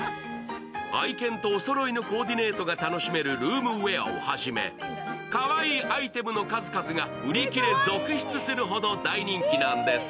愛犬とおそろいのコーディネートが楽しめるルームウエアをはじめかわいいアイテムの数々が売り切れ続出するほど大人気なんです。